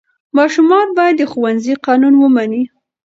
ماشومان باید د ښوونځي قانون ومني.